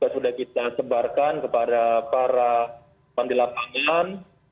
sudah kita sebarkan kepada para pendilapangan